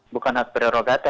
bukan hak prerogatif